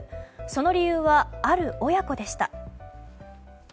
その理由は、ある親子でした。